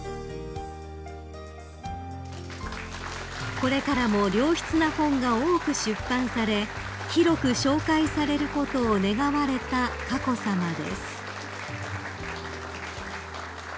［これからも良質な本が多く出版され広く紹介されることを願われた佳子さまです］